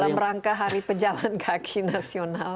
dalam rangka hari pejalan kaki nasional